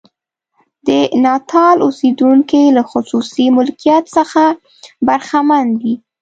د ناتال اوسېدونکي له خصوصي مالکیت څخه برخمن دي.